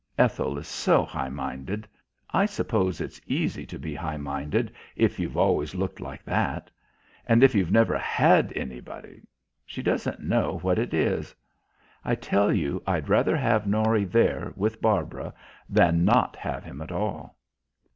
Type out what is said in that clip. Ethel is so high minded. I suppose it's easy to be high minded if you've always looked like that. And if you've never had anybody. She doesn't know what it is. I tell you, I'd rather have Norry there with Barbara than not have him at all."